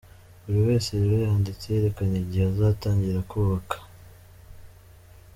Buri wese rero yanditse yerekana igihe azatangirira kubaka.